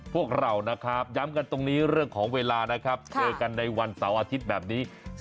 พวกเรานะครับย้ำกันตรงนี้เรื่องของเวลานะครับเจอกันในวันเสาร์อาทิตย์แบบนี้